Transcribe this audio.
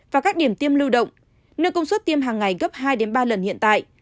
và các điểm tiêm lưu động nơi công suất tiêm hàng ngày gấp hai ba lần hiện tại